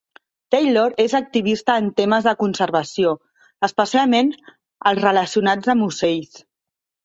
Taylor és activista en temes de conservació, especialment els relacionats amb ocells.